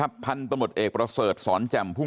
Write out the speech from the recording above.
แต่ว่าผิดที่ว่าเขาประมาทเพียงนั่นเองเขาไม่อยู่ดู